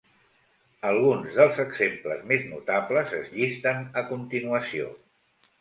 Alguns dels exemples més notables es llisten a continuació.